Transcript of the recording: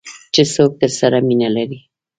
چې څوک درسره مینه لري .